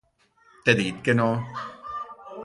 T'he dit que no!